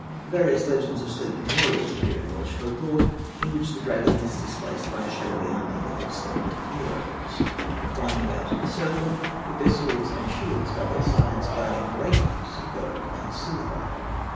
Various legends of Sleeping Warriors appear in Welsh folk lore, in which the dragon is displaced by a shadowy army of slumbering heroes, lying about in a circle, with their swords and shields by their sides, guarding great heaps of gold and silver.